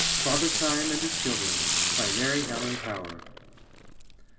FATHER TIME AND HIS CHILDREN. BY MARY HELEN POWER.